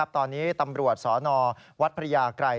ตอนนี้ตำรวจสนวัดพระยากรัย